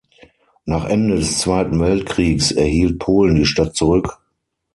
Nach Ende des Zweiten Weltkriegs erhielt Polen die Stadt zurück.